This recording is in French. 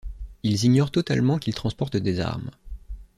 Ils ignorent totalement qu'ils transportent des armes...